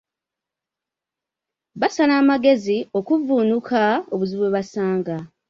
Basala amagezi okuvvuunuka obuzibu bwe basanga.